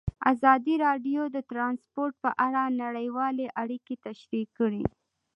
ازادي راډیو د ترانسپورټ په اړه نړیوالې اړیکې تشریح کړي.